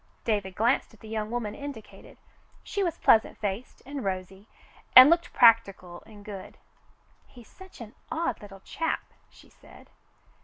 David glanced at the young woman indicated. She was pleasant faced and rosy, and looked practical and good. "He's such an odd little chap," she said.